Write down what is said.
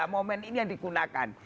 momen ini yang digunakan